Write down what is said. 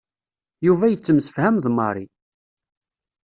Yuba yettemsefham d Mary.